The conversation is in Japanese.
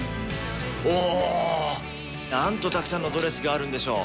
おー、なんとたくさんのドレスがあるんでしょう。